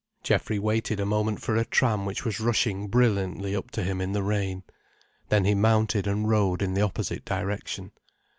Geoffrey waited a moment for a tram which was rushing brilliantly up to him in the rain. Then he mounted and rode in the opposite direction.